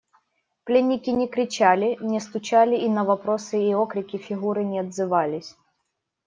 Пленники не кричали, не стучали и на вопросы и окрики Фигуры не отзывались.